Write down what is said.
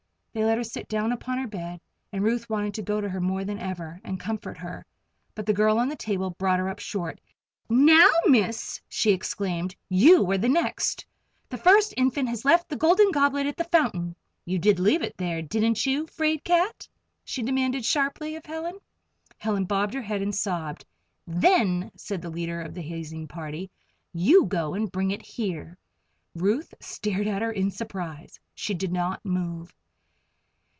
They let her sit down upon her bed, and Ruth wanted to go to her more than ever, and comfort her. But the girl on the table brought her up short. "Now, Miss!" she exclaimed. "You are the next. The first Infant has left the Golden Goblet at the fountain you did leave it there; didn't you, you 'fraid cat?" she demanded sharply, of Helen. Helen bobbed her head and sobbed. "Then," said the leader of the hazing party, "you go and bring it here." Ruth stared at her in surprise. She did not move.